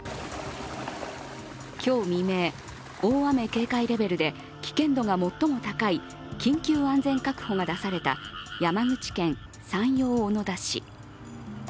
今日未明、大雨警戒レベルで危険度が最も高い緊急安全確保が出された山口県山陽小野田市。